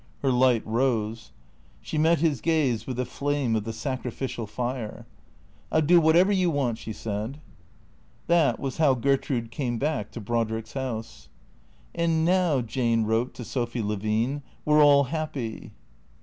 Her light rose. She met his gaze with a flame of the sacrificial fire. " I '11 do whatever you want," she said. That was how Gertrude came back to Brodrick's house. " And now," Jane wrote to Sophy Levine, " we 're all happy."